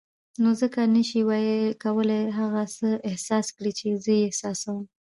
نو ځکه نه شې کولای هغه څه احساس کړې چې زه یې احساسوم.